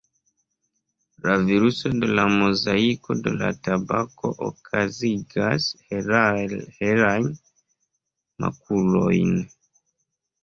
La viruso de la mozaiko de tabako okazigas helajn makulojn.